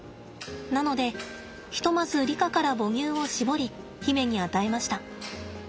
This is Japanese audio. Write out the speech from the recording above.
なのでひとまずリカから母乳を搾り媛に与えました。